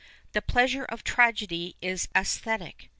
The pleasure of tragedy is jcsthetic.